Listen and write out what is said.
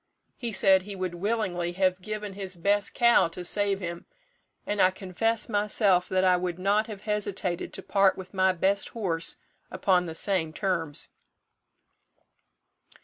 He said he would willingly have given his best cow to save him; and I confess myself that I would not have hesitated to part with my best horse upon the same terms."